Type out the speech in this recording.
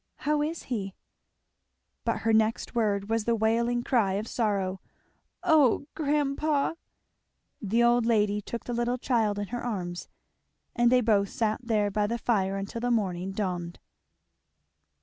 "How is he?" But her next word was the wailing cry of sorrow, "Oh grandpa! " The old lady took the little child in her arms and they both sat there by the fire until the morning dawned.